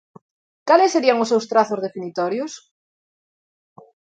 Cales serían os seus trazos definitorios?